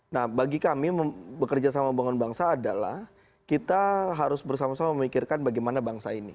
nah bagi kami bekerja sama membangun bangsa adalah kita harus bersama sama memikirkan bagaimana bangsa ini